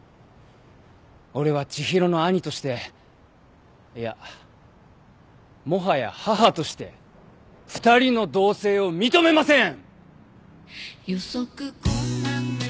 俺は知博の兄としていやもはや母として２人の同棲を認めません！